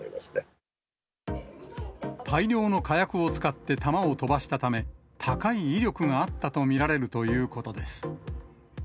大量の火薬を使って弾を飛ばしたため、高い威力があったと見られるということです。